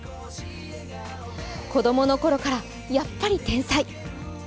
子どものころからやっぱり天才。